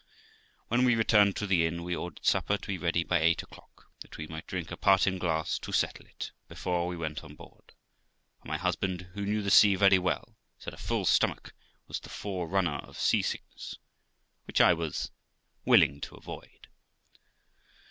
When we returned to the inn, we ordered supper to be ready by eight o'clock, that we might drink a parting glass to settle it, before we went on board ; for my husband, who knew the sea very well, said a full stomach was the forerunner of sea sickness, which I was willing to avoid.